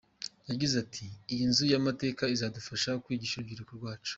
Yagize ati “Iyi nzu y’amateka izadufasha kwigisha urubyiruko rwacu.